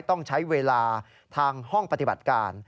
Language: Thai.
ต้องใช้เวลาทางห้องปฏิบัติการ